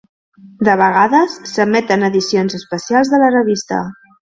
De vegades, s'emeten edicions especials de la revista.